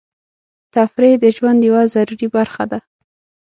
تفریح د ژوند یوه ضروري برخه ده.